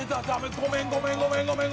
ごめんごめんごめんごめん。